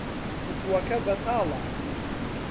قوتووەکە بەتاڵە.